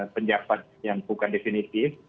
penjabat yang bukan definitif